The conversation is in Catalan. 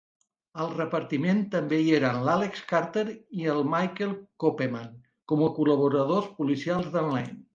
Al repartiment també hi eren l"Alex Carter i el Michael Copeman com a col·laboradors policials de"n Lane.